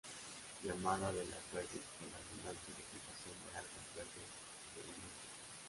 Llamada de Las Verdes por la abundante vegetación de algas verdes que la inunda.